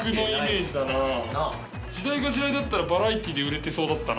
時代が時代だったらバラエティーで売れてそうだったな。